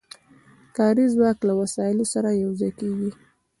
کاري ځواک له وسایلو سره یو ځای کېږي